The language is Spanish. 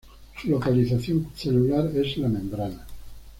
Su localización celular es la membrana.